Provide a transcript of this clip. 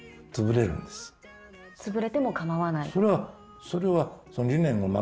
つぶれても構わない？